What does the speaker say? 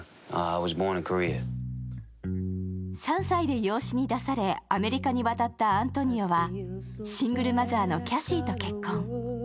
３歳で養子に出され、アメリカに渡ったアントニオはシングルマザーのキャシーと結婚。